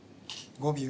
５秒。